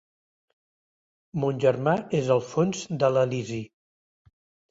Mon germà és al fons de l’Elisi.